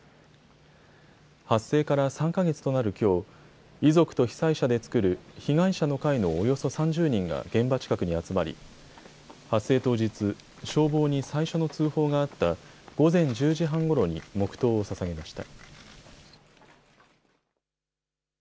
発生から３か月となるきょう遺族と被災者で作る被害者の会のおよそ３０人が現場近くに集まり発生当日、消防に最初の通報があった午前１０時半ごろに黙とうをささげました。